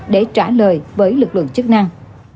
để trả lời với lực lượng chức năng